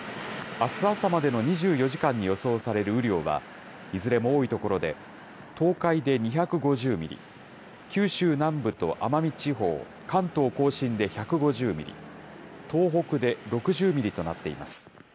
あす朝までの２４時間に予想される雨量は、いずれも多い所で、東海で２５０ミリ、九州南部と奄美地方、関東甲信で１５０ミリ、東北で６０ミリとなっています。